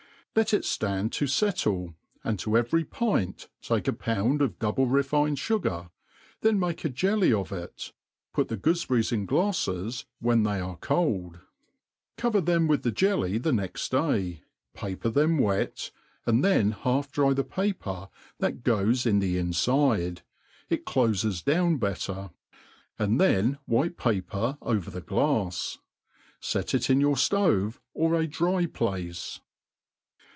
Let it ftand to fettle, and to every pint take a pound of double refined fugar, then make a jelly of it, put the goofeberries in glafTes ^hen they are cgld ; co I'er them with the jelly the next day, paper tbem wet/ and then half dry the paper that ^oes m the infide, it clofes down ^' better. f 3i« tHE Alt o^ eoolttitt beHor, tnd then white paper wet fi» ghft» Set it m ;^ii^ tkf¥€^ or a dry place.